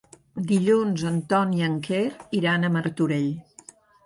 Dilluns en Ton i en Quer iran a Martorell.